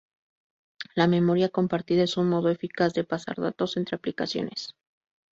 La memoria compartida es un modo eficaz de pasar datos entre aplicaciones.